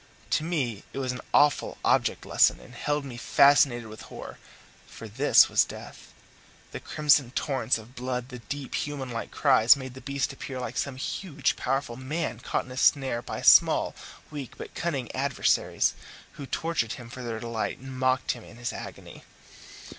To me it was an awful object lesson, and held me fascinated with horror. For this was death! The crimson torrents of blood, the deep, human like cries, made the beast appear like some huge, powerful man caught in a snare by small, weak, but cunning adversaries, who tortured him for their delight and mocked him in his agony.